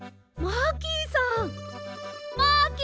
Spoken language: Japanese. マーキーさん！